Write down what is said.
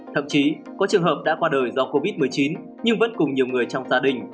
thậm chí có trường hợp đã qua đời do covid một mươi chín nhưng vẫn cùng nhiều người trong gia đình